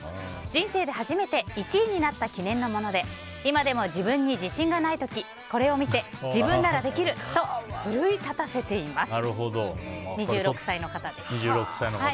人生で初めて１位になった記念のもので今でも自分に自信がない時これを見て自分ならできると奮い立たせています。